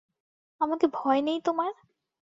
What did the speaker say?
আমাকে ভয় নেই তোমার?